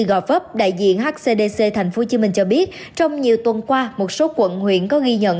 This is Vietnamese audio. gò vấp đại diện hcdc tp hcm cho biết trong nhiều tuần qua một số quận huyện có ghi nhận